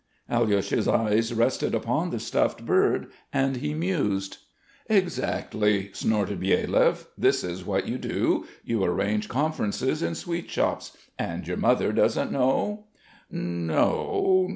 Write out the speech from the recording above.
'" Alyosha's eyes rested upon the stuffed bird and he mused. "Exactly...." snorted Byelyaev. "This is what you do. You arrange conferences in sweet shops. And your mother doesn't know?" "N no....